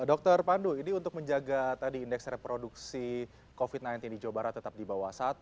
dokter pandu ini untuk menjaga tadi indeks reproduksi covid sembilan belas di jawa barat tetap di bawah satu